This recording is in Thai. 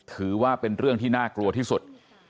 ถือว่าเป็นเรื่องที่น่ากลัวที่สุด